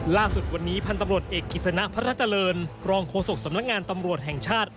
ล่าสุดวันนี้พันธุ์ตำรวจเอกกิจสนะพระราชเจริญรองโฆษกสำนักงานตำรวจแห่งชาติ